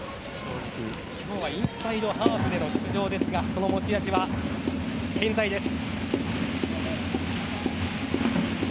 今日はインサイドハーフでの出場ですがその持ち味は、健在です。